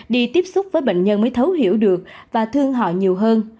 đi tiếp xúc với bệnh nhân mới thấu hiểu được và thương họ nhiều hơn